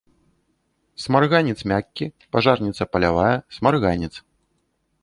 Смарганец мяккі, пажарніца палявая, смарганец.